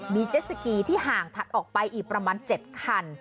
มีเจ็ดสกีที่ห่างถัดออกไปอีกประมาณ๗คัน